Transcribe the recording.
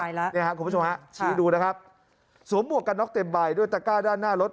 แล้วเนี่ยครับคุณผู้ชมฮะชี้ดูนะครับสวมหมวกกันน็อกเต็มใบด้วยตะก้าด้านหน้ารถ